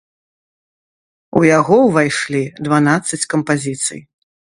У яго ўвайшлі дванаццаць кампазіцый.